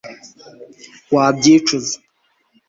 wabyicuza